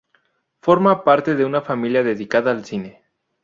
Forma parte de una familia dedicada al cine.